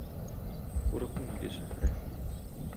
Курыкмыйм, - ди Зөһрә.